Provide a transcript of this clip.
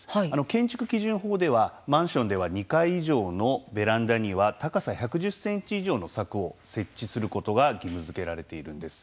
建築基準法ではマンションでは２階以上のベランダには高さ１１０ｃｍ以上の柵を設置することが義務づけられているんです。